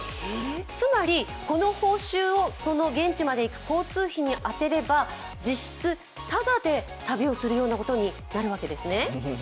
つまりこの報酬をその現地まで行く交通費に充てれば実質、ただで旅をするようなことになるわけですね。